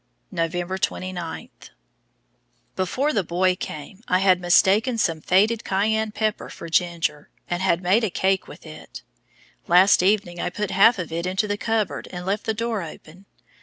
November 29. Before the boy came I had mistaken some faded cayenne pepper for ginger, and had made a cake with it. Last evening I put half of it into the cupboard and left the door open.